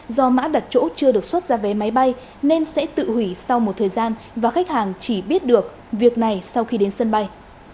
do mã đặt chỗ chưa được xuất ra vé máy bay nên sẽ tự hủy sau một thời gian và khách hàng chỉ biết được việc này sau khi đến sân bay